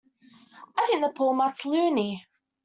I think the poor mutt's loony.